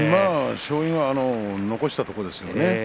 勝因は残したことですね